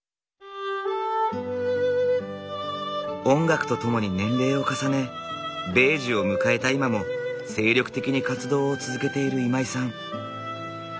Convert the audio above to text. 音楽と共に年齢を重ね米寿を迎えた今も精力的に活動を続けている今井さん。